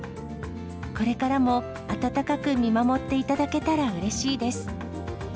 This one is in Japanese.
これからも温かく見守っていただけたらうれしいです。